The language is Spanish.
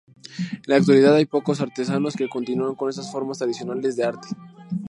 En la actualidad hay pocos artesanos que continúen con estas formas tradicionales de arte.